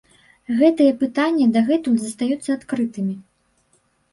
Гэтыя пытанні дагэтуль застаюцца адкрытымі.